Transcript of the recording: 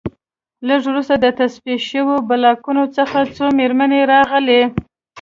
لږ وروسته د تصفیه شویو بلاکونو څخه څو مېرمنې راغلې